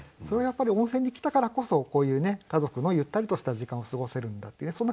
それがやっぱり温泉に来たからこそこういう家族のゆったりとした時間を過ごせるんだっていうね